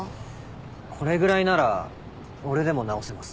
これぐらいなら俺でも直せます。